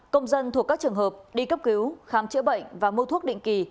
công dân thuộc các trường hợp đi cấp cứu khám chữa bệnh và mua thuốc định kỳ